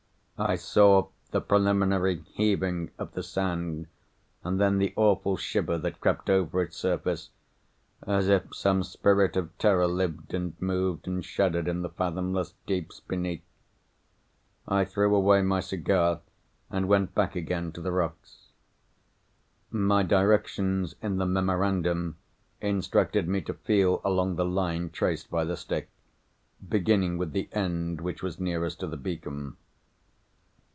I saw the preliminary heaving of the Sand, and then the awful shiver that crept over its surface—as if some spirit of terror lived and moved and shuddered in the fathomless deeps beneath. I threw away my cigar, and went back again to the rocks. My directions in the memorandum instructed me to feel along the line traced by the stick, beginning with the end which was nearest to the beacon.